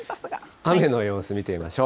雨の様子見てみましょう。